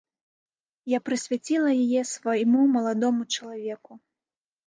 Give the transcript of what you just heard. Я прысвяціла яе свайму маладому чалавеку.